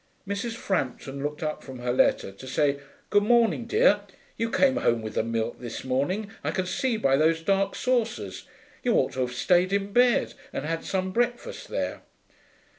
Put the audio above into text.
Mrs. Frampton looked up from her letter to say, 'Good morning, dear. You came home with the milk this morning, I can see by those dark saucers. You ought to have stayed in bed and had some breakfast there.'